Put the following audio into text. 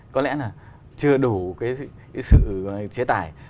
có lẽ là chưa đủ cái sự chế tài